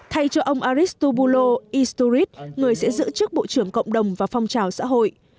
thay cho ông aristobulo isturit người sẽ giữ chức bộ trưởng cộng đồng và phong trào xã hội